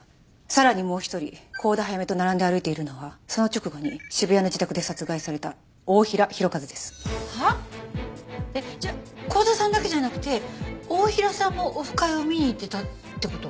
さらにもう一人幸田早芽と並んで歩いているのはその直後に渋谷の自宅で殺害された太平洋和です。はあ？えっじゃあ幸田さんだけじゃなくて太平さんもオフ会を見に行ってたって事？